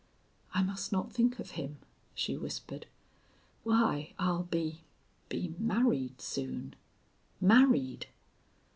"I must not think of him," she whispered. "Why, I'll be be married soon.... Married!"